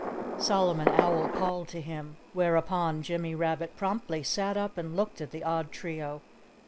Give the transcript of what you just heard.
Solomon Owl called to him. Whereupon, Jimmy Rabbit promptly sat up and looked at the odd trio.